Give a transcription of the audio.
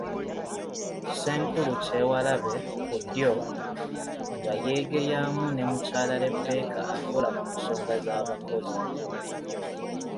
Ssenkulu Kyewalabye (ku ddyo) nga yeegeyamu ne Mukyala Rebecca akola ku nsonga z’abakozi.